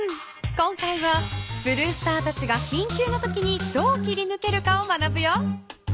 今回はブルースターたちがきんきゅうのときにどう切りぬけるかを学ぶよ。